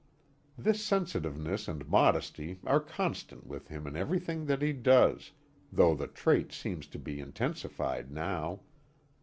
This sensitiveness and modesty are constant with him in everything that he does though the trait seems to be intensified now.